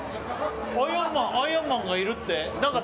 アイアンマンがいるって。